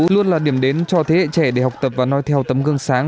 luôn là điểm đến cho thế hệ trẻ để học tập và nói theo tấm gương sáng